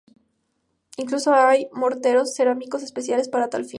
Incluso hay morteros cerámicos especiales para tal fin.